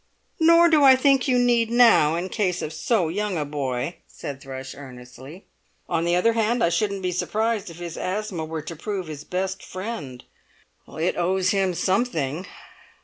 "Nor do I think you need now, in the case of so young a boy," said Thrush earnestly. "On the other hand, I shouldn't be surprised if his asthma were to prove his best friend." "It owes him something!"